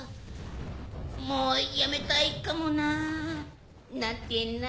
もうやめたいかもナ。なんてナ。